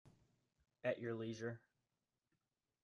At your leisure.